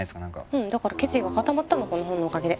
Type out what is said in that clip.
うんだから決意が固まったのこの本のおかげで。